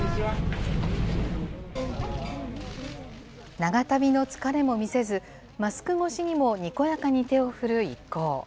長旅の疲れも見せず、マスク越しにもにこやかに手を振る一行。